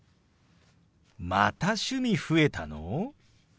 また趣味増えたの！？